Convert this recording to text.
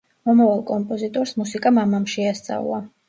მომავალ კომპოზიტორს მუსიკა მამამ შეასწავლა.